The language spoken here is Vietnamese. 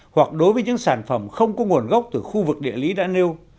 hoặc đối với những sản phẩm không có nguồn gốc từ khu vực địa lý đã nêu